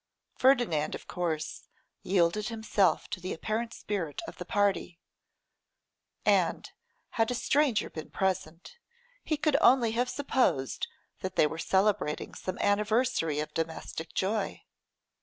Ferdinand, of course, yielded himself to the apparent spirit of the party; and, had a stranger been present, he could only have supposed that they were celebrating some anniversary of domestic joy.